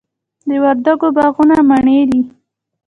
د وردګو باغونه مڼې دي